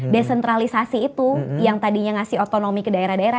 desentralisasi itu yang tadinya ngasih otonomi ke daerah daerah